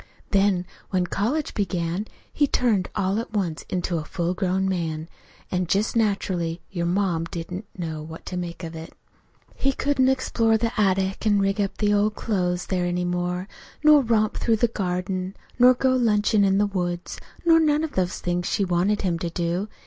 Then when college began he turned all at once into a full grown man. An' just naturally your ma didn't know what to make of it. "He couldn't explore the attic an' rig up in the old clothes there any more, nor romp through the garden, nor go lunchin' in the woods, nor none of the things she wanted him to do.